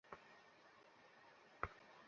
আমরা এটা আর কতবার করব?